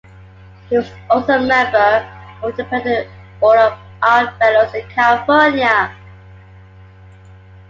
He was also a member of the Independent Order of Odd Fellows in California.